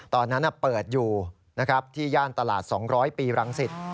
ตอนนั้นเปิดอยู่ที่ย่านตลาด๒๐๐ปีรังสิต